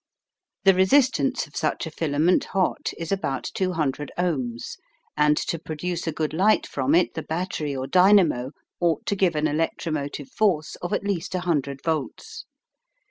The resistance of such a filament hot is about 200 ohms, and to produce a good light from it the battery or dynamo ought to give an electromotive force of at least 100 volts.